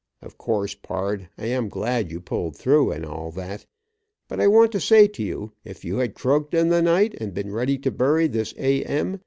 Of course, pard, I am glad you pulled through, and all that, but I want to say to you, if you had croaked in the night, and been ready to bury this A. m.